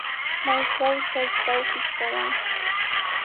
Maytraw chaytrawpis kawan.